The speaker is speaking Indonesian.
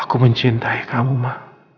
aku mencintai kamu ma